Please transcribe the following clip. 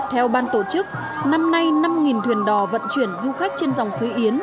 theo ban tổ chức năm nay năm thuyền đò vận chuyển du khách trên dòng suối yến